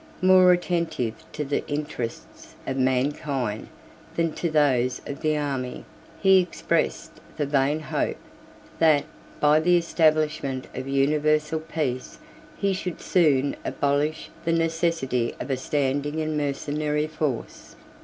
More attentive to the interests of mankind than to those of the army, he expressed the vain hope, that, by the establishment of universal peace, he should soon abolish the necessity of a standing and mercenary force.